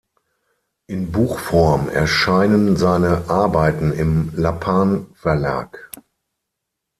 In Buchform erscheinen seine Arbeiten im Lappan Verlag.